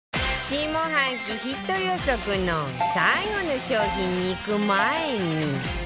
下半期ヒット予測の最後の商品にいく前に